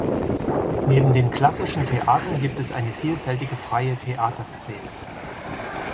Neben den klassischen Theatern gibt es eine vielfältige freie Theaterszene.